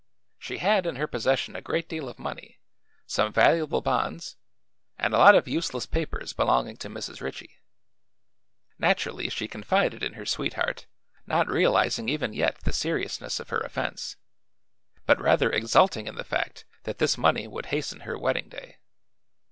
She had in her possession a great deal of money, some valuable bonds, and a lot of useless papers belonging to Mrs. Ritchie. Naturally she confided in her sweetheart, not realizing even yet the seriousness of her offense, but rather exulting in the fact that this money would hasten her wedding day.